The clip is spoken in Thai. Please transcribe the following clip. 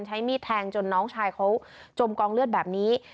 ใช้มีดแทงจนน้องชายเขาจมกองเลือดแบบนี้